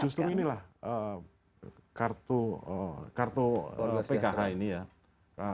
justru inilah kartu pkh ini ya